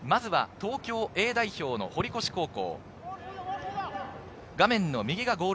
東京Ａ代表の堀越高校。